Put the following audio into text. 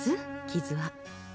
傷は。